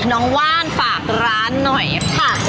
ว่านฝากร้านหน่อยค่ะ